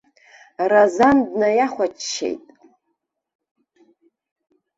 Разан днаиахәаччеит.